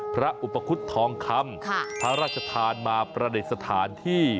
พระอุปคุฎทองคำพระราชทานมาประดิษฐานที่